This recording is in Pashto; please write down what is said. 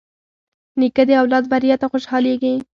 نیکه د اولاد بریا ته خوشحالېږي.